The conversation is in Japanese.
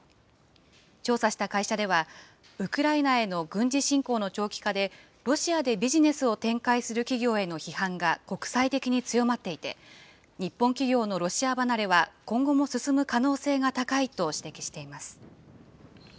調査した会社では、ウクライナへの軍事侵攻の長期化で、ロシアでビジネスを展開する企業への批判が国際的に強まっていて、日本企業のロシア離れは今後も進む可能性が高いと指摘しています。